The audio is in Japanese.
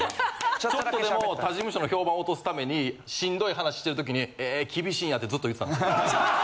ちょっとでも他事務所の評判落とすためにしんどい話してる時に「え厳しいんや」ってずっと言ってたんです。